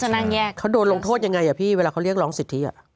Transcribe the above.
นั่งแยกเขาโดนลงโทษยังไงอ่ะพี่เวลาเขาเรียกร้องสิทธิอ่ะ